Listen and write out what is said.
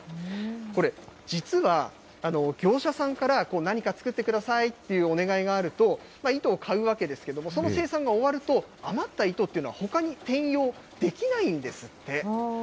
これ、実は、業者さんから何か作ってくださいっていうお願いがあると、糸を買うわけですけども、その生産が終わると、余った糸っていうのは、ほかに転用できないんですって。